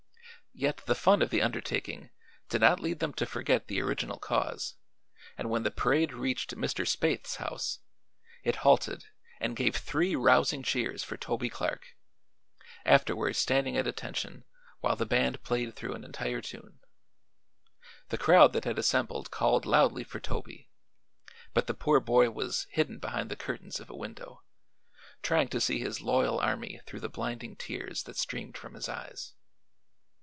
Yet the fun of the undertaking did not lead them to forget the original cause and when the parade reached Mr. Spaythe's house it halted and gave three rousing cheers for Toby Clark, afterward standing at attention while the band played through an entire tune. The crowd that had assembled called loudly for Toby, but the poor boy was hidden behind the curtains of a window, trying to see his loyal army through the blinding tears that streamed from his eyes.